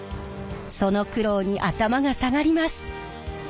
その苦労に頭が下がります。